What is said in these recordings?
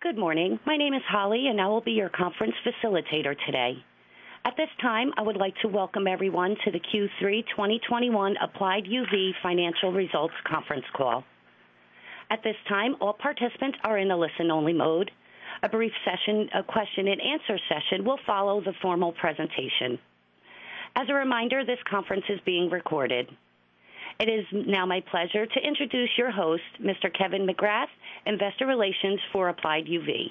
Good morning. My name is Holly, and I will be your conference facilitator today. At this time, I would like to welcome everyone to the Q3 2021 Applied UV Financial Results Conference Call. At this time, all participants are in a listen-only mode. A brief session, question-and-answer session will follow the formal presentation. As a reminder, this conference is being recorded. It is now my pleasure to introduce your host, Mr. Kevin McGrath, Investor Relations for Applied UV.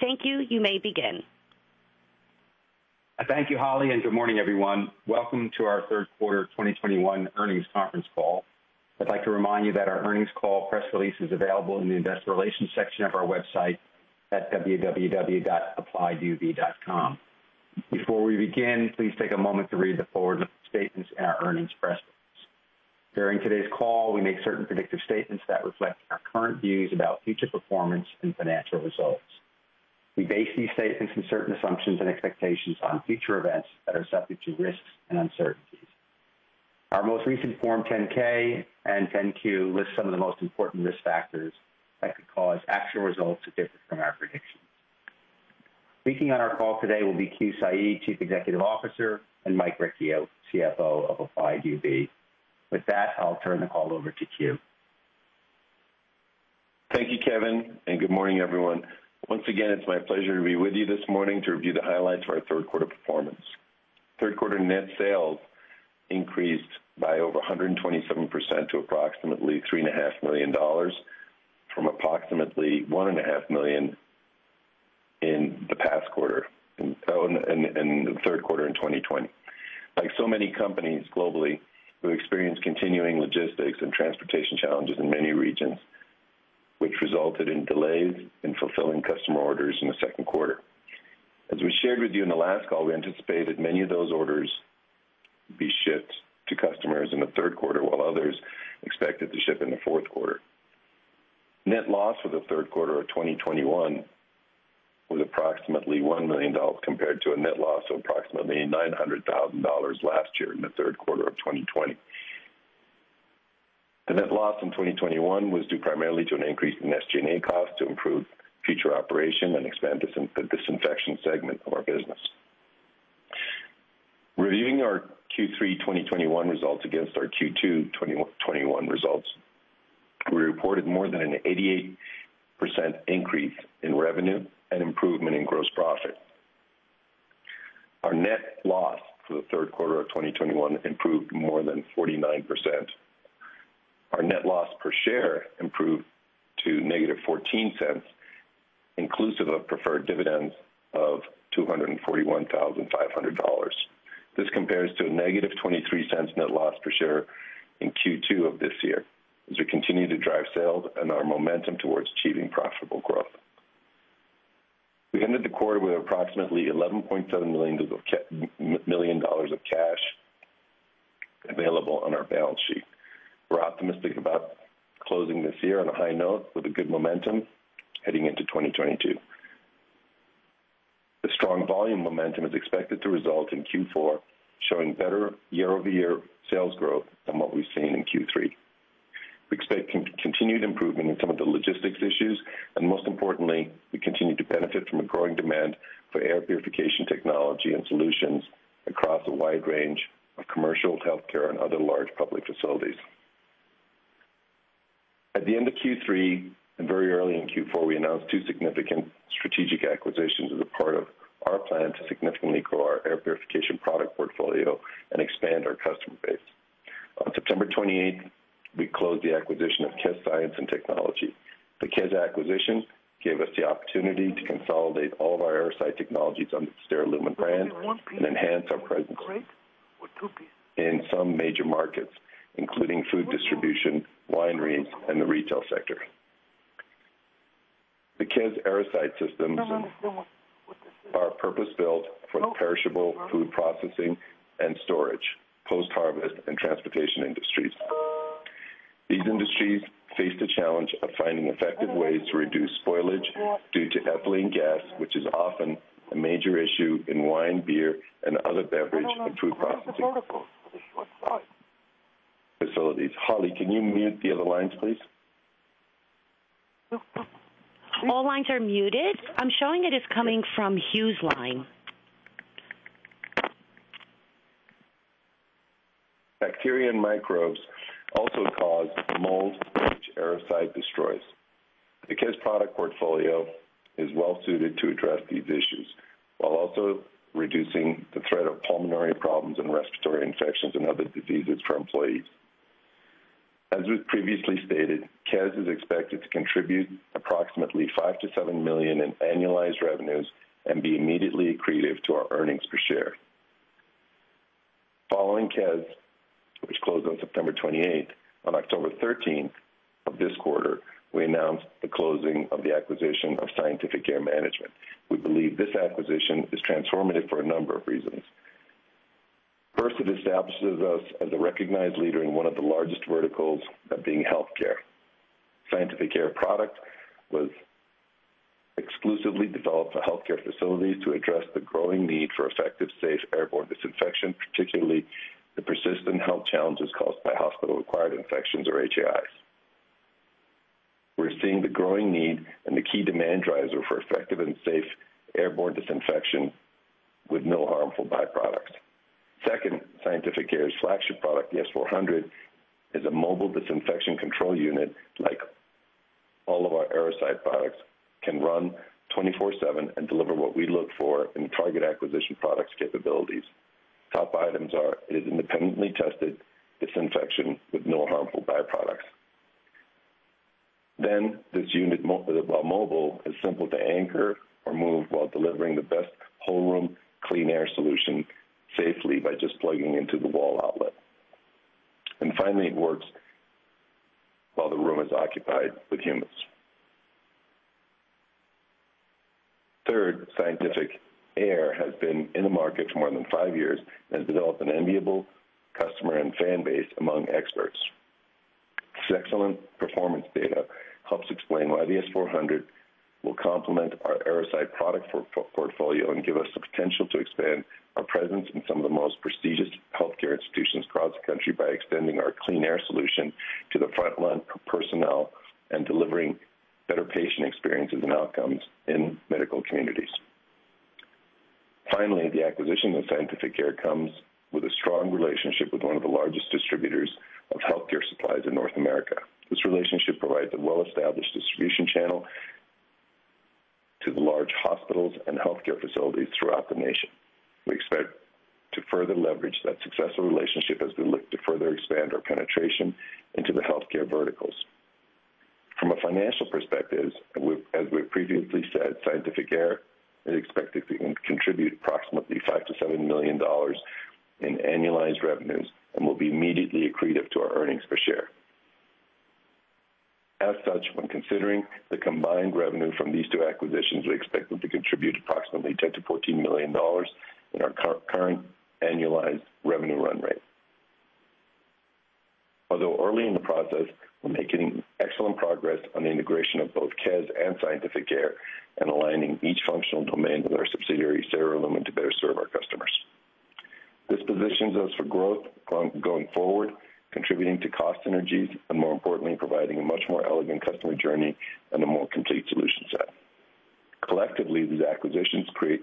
Thank you. You may begin. Thank you, Holly, and good morning, everyone. Welcome to our third quarter 2021 earnings conference call. I'd like to remind you that our earnings call press release is available in the investor relations section of our website at www.applieduv.com. Before we begin, please take a moment to read the forward-looking statements in our earnings press release. During today's call, we make certain predictive statements that reflect our current views about future performance and financial results. We base these statements on certain assumptions and expectations on future events that are subject to risks and uncertainties. Our most recent Form 10-K and 10-Q list some of the most important risk factors that could cause actual results to differ from our predictions. Speaking on our call today will be Keyoumars Saeed, Chief Executive Officer, and Mike Riccio, Chief Financial Officer, of Applied UV. With that, I'll turn the call over to Keyoumars. Thank you, Kevin, and good morning, everyone. Once again, it's my pleasure to be with you this morning to review the highlights of our third quarter performance. Third quarter net sales increased by over 127% to approximately $3.5 million from approximately $1.5 million in the third quarter in 2020. Like so many companies globally, we've experienced continuing logistics and transportation challenges in many regions, which resulted in delays in fulfilling customer orders in the second quarter. As we shared with you in the last call, we anticipated many of those orders be shipped to customers in the third quarter, while others expected to ship in the fourth quarter. Net loss for the third quarter of 2021 was approximately $1 million compared to a net loss of approximately $900 thousand last year in the third quarter of 2020. The net loss in 2021 was due primarily to an increase in SG&A costs to improve future operation and expand the disinfection segment of our business. Reviewing our Q3 2021 results against our Q2 2021 results, we reported more than an 88% increase in revenue and improvement in gross profit. Our net loss for the third quarter of 2021 improved more than 49%. Our net loss per share improved to -$0.14, inclusive of preferred dividends of $241,500. This compares to a -$0.23 net loss per share in Q2 of this year as we continue to drive sales and our momentum towards achieving profitable growth. We ended the quarter with approximately $11.7 million dollars of cash available on our balance sheet. We're optimistic about closing this year on a high note with a good momentum heading into 2022. The strong volume momentum is expected to result in Q4 showing better year-over-year sales growth than what we've seen in Q3. We expect continued improvement in some of the logistics issues, and most importantly, we continue to benefit from a growing demand for air purification technology and solutions across a wide range of commercial, healthcare, and other large public facilities. At the end of Q3 and very early in Q4, we announced two significant strategic acquisitions as a part of our plan to significantly grow our air purification product portfolio and expand our customer base. On September 28th, we closed the acquisition of KES Science & Technology. The KES acquisition gave us the opportunity to consolidate all of our Airocide technologies under the SteriLumen brand and enhance our presence in some major markets, including food distribution, wineries, and the retail sector. The KES Airocide systems are purpose-built for perishable food processing and storage, post-harvest and transportation industries. These industries face the challenge of finding effective ways to reduce spoilage due to ethylene gas, which is often a major issue in wine, beer, and other beverage and food processing. I don't know. Where's the protocols for this short slide? Facilities. Holly, can you mute the other lines, please? All lines are muted. I'm showing it is coming from Hugh's line. Bacteria and microbes also cause the mold, which Airocide destroys. The KES product portfolio is well suited to address these issues while also reducing the threat of pulmonary problems and respiratory infections and other diseases for employees. As we've previously stated, KES is expected to contribute approximately $5 million-$7 million in annualized revenues and be immediately accretive to our earnings per share. Following KES, which closed on September 28, on October 13 of this quarter, we announced the closing of the acquisition of Scientific Air Management. We believe this acquisition is transformative for a number of reasons. First, it establishes us as a recognized leader in one of the largest verticals, that being healthcare. Scientific Air products for healthcare facilities to address the growing need for effective, safe airborne disinfection, particularly the persistent health challenges caused by hospital-acquired infections or HAIs. We're seeing the growing need and the key demand driver for effective and safe airborne disinfection with no harmful byproducts. Second, Scientific Air's flagship product, the S400, is a mobile disinfection control unit like all of our Airocide products, can run 24/7 and deliver what we look for in target acquisition products capabilities. Top items are it is independently tested disinfection with no harmful byproducts. Then this unit, while mobile, is simple to anchor or move while delivering the best whole room clean air solution safely by just plugging into the wall outlet. Finally, it works while the room is occupied with humans. Third, Scientific Air has been in the market for more than five years and has developed an enviable customer and fan base among experts. Its excellent performance data helps explain why the S400 will complement our Airocide product portfolio and give us the potential to expand our presence in some of the most prestigious healthcare institutions across the country by extending our clean air solution to the frontline personnel and delivering better patient experiences and outcomes in medical communities. Finally, the acquisition of Scientific Air comes with a strong relationship with one of the largest distributors of healthcare supplies in North America. This relationship provides a well-established distribution channel to the large hospitals and healthcare facilities throughout the nation. We expect to further leverage that successful relationship as we look to further expand our penetration into the healthcare verticals. From a financial perspective, we've previously said, Scientific Air is expected to contribute approximately $5 million-$7 million in annualized revenues and will be immediately accretive to our earnings per share. As such, when considering the combined revenue from these two acquisitions, we expect them to contribute approximately $10 million-$14 million in our current annualized revenue run rate. Although early in the process, we're making excellent progress on the integration of both KES and Scientific Air Management, and aligning each functional domain with our subsidiary, SteriLumen, to better serve our customers. This positions us for growth going forward, contributing to cost synergies, and more importantly, providing a much more elegant customer journey and a more complete solution set. Collectively, these acquisitions create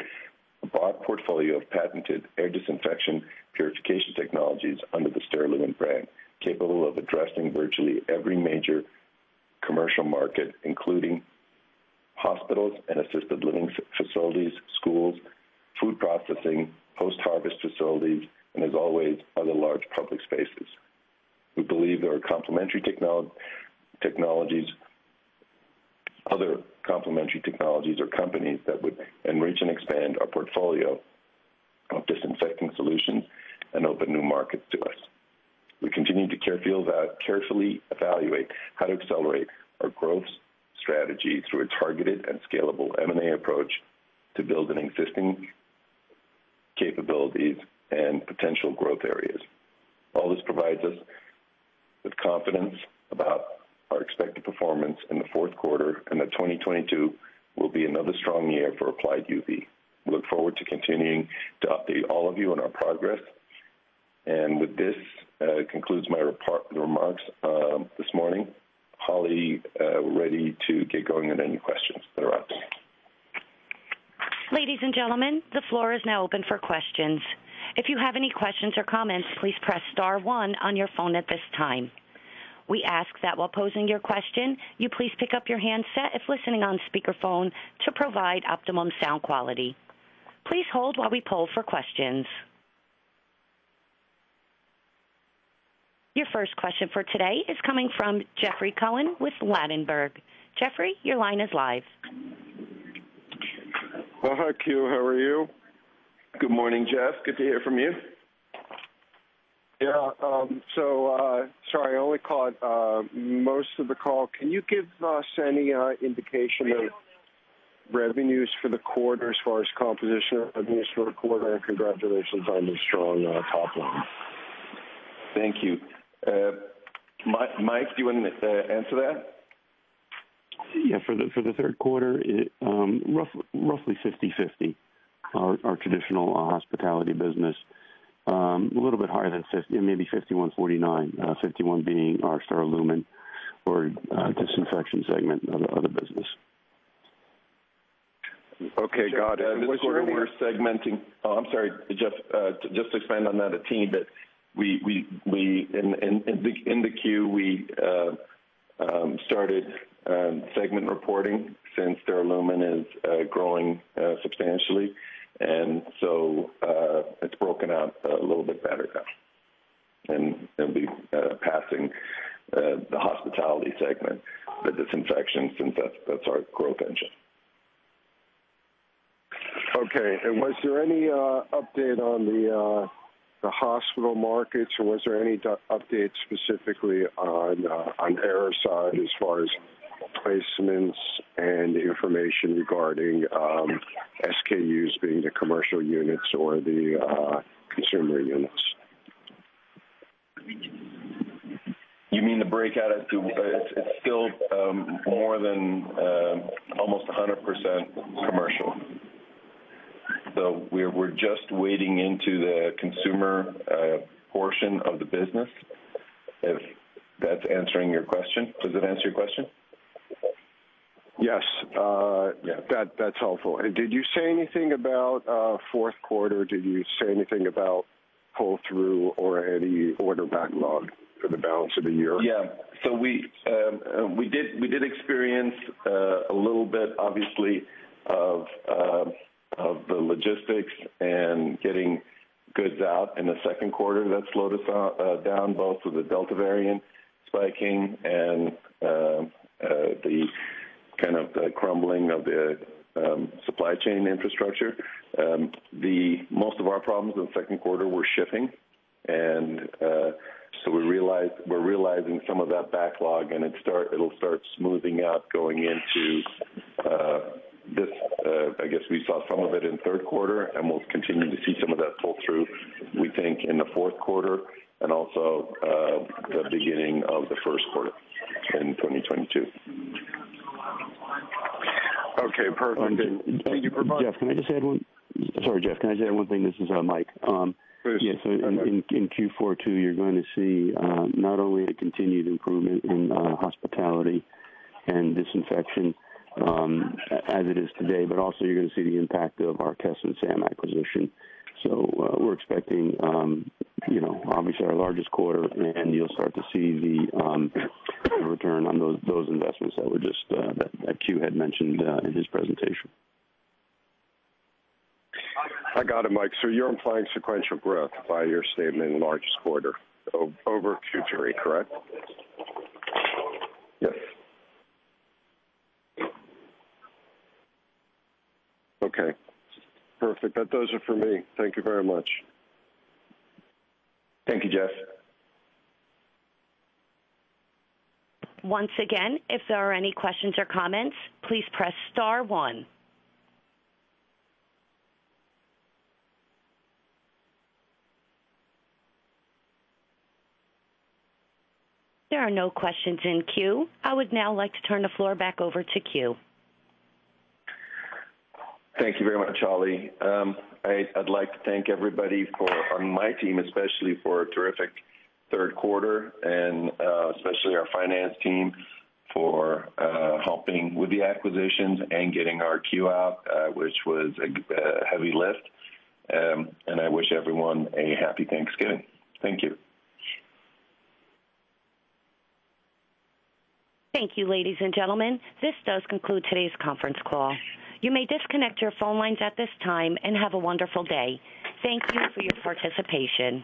a broad portfolio of patented air disinfection purification technologies under the SteriLumen brand, capable of addressing virtually every major commercial market, including hospitals and assisted living facilities, schools, food processing, post-harvest facilities, and as always, other large public spaces. We believe there are complementary technologies other complementary technologies or companies that would enrich and expand our portfolio of disinfecting solutions and open new markets to us. We continue to carefully evaluate how to accelerate our growth strategy through a targeted and scalable M&A approach to build on existing capabilities and potential growth areas. All this provides us with confidence about our expected performance in the fourth quarter, and that 2022 will be another strong year for Applied UV. We look forward to continuing to update all of you on our progress. With this, concludes my remarks this morning. Holly, ready to get going on any questions that are out there. Ladies and gentlemen, the floor is now open for questions. If you have any questions or comments, please press star one on your phone at this time. We ask that while posing your question, you please pick up your handset if listening on speakerphone to provide optimum sound quality. Please hold while we poll for questions. Your first question for today is coming from Jeffrey Cohen with Ladenburg Thalmann. Jeffrey, your line is live. Well, hi, Keyoumars. How are you? Good morning, Jeff. Good to hear from you. Yeah. Sorry, I only caught most of the call. Can you give us any indication of revenues for the quarter as far as composition of the quarter? Congratulations on the strong top line. Thank you. Mike, do you wanna answer that? Yeah. For the third quarter, it roughly 50/50. Our traditional hospitality business a little bit higher than 50, maybe 51/49. 51 being our SteriLumen or disinfection segment of the business. Okay. Got it. Was there any? Oh, I'm sorry, Jeff. Just to expand on that, in the Q we started segment reporting since SteriLumen is growing substantially. It's broken out a little bit better now. It'll be passing the hospitality segment with disinfection since that's our growth engine. Okay. Was there any update on the hospital markets, or was there any update specifically on Airocide as far as placements and information regarding SKUs being the commercial units or the consumer units? You mean the breakout? It's still more than almost 100% commercial. We're just wading into the consumer portion of the business, if that's answering your question. Does that answer your question? Yes. Yeah. That's helpful. Did you say anything about fourth quarter? Did you say anything about pull-through or any order backlog for the balance of the year? Yeah. We did experience a little bit obviously of the logistics and getting goods out in the second quarter that slowed us down, both with the Delta variant spiking and the kind of crumbling of the supply chain infrastructure. Most of our problems in the second quarter were shipping. We're realizing some of that backlog and it'll start smoothing out going into this. I guess we saw some of it in third quarter, and we'll continue to see some of that pull-through, we think, in the fourth quarter and also the beginning of the first quarter in 2022. Okay, perfect. And, and- Thank you very much. Sorry, Jeff, can I just add one thing? This is Mike. Please. Yeah. In Q4 2022, you're going to see not only a continued improvement in hospitality and disinfection as it is today, but also you're gonna see the impact of our KES and SAM acquisition. We're expecting, you know, obviously our largest quarter, and you'll start to see the return on those investments that were just that Keyoumars had mentioned in his presentation. I got it, Mike. You're implying sequential growth by your statement largest quarter over Q3, correct? Yes. Okay, perfect. Those are for me. Thank you very much. Thank you, Jeff. Once again, if there are any questions or comments, please press star one. There are no questions in queue. I would now like to turn the floor back over to Keyoumars. Thank you very much, Holly. I'd like to thank everybody on my team especially for a terrific third quarter and especially our finance team for helping with the acquisitions and getting our 10-Q out, which was a heavy lift. I wish everyone a happy Thanksgiving. Thank you. Thank you, ladies and gentlemen. This does conclude today's conference call. You may disconnect your phone lines at this time, and have a wonderful day. Thank you for your participation.